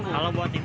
kalau buat ibu